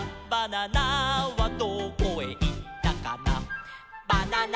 「バナナはどこへいったかな」